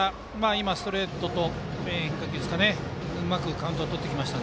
今、ストレートと変化球でうまくカウントをとってきました。